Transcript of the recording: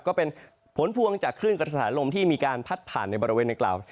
ก็เป็นผลพวงจากคลื่นกระแสลมที่มีการพัดผ่านในบริเวณในกล่าว